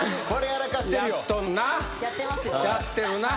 これやらかしてるよ。